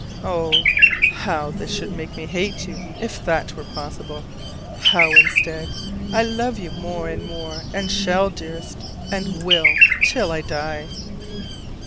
Oh, how this should make me hate you, if that were possible: how, instead, I love you more and more, and shall, dearest, and will till I die!